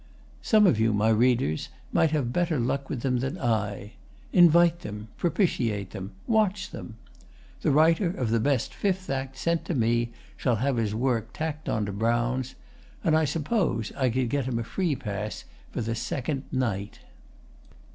Some of you, my readers, might have better luck with them than I. Invite them, propitiate them, watch them! The writer of the best Fifth Act sent to me shall have his work tacked on to Brown's; and I suppose I could get him a free pass for the second night.